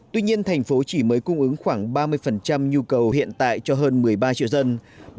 tuy nhiên thành phố chỉ mới cung ứng khoảng ba mươi nhu cầu hiện tại cho hơn một mươi ba triệu dân